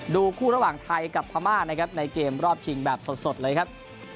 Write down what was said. ดูคู่ระหว่างไทยกับพม่านะครับในเกมรอบชิงแบบสดเลยครับ